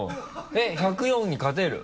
えっ１０４に勝てる？